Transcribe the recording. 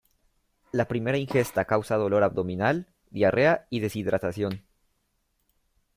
La primera ingesta causa dolor abdominal, diarrea y deshidratación.